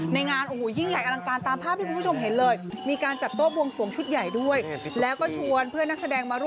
ในงานโอ้โหยิ่งใหญ่อลังการ